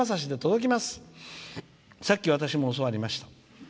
さっき、私も教わりました。